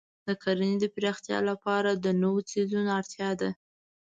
د کرنې د پراختیا لپاره د نوو څېړنو اړتیا ده.